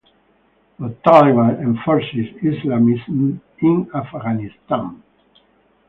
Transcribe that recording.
The Taliban enforced Islamism in Afghanistan.